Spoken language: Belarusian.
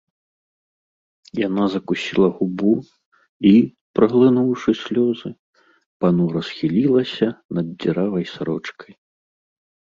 Яна закусіла губу і, праглынуўшы слёзы, панура схілілася над дзіравай сарочкай.